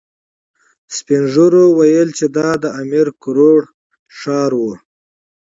سپين ږيرو ويل چې دا د امير کروړ ښار و.